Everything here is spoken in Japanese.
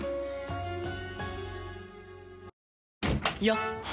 よっ！